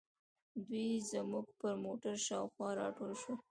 دوی زموږ پر موټرو شاوخوا راټول شول.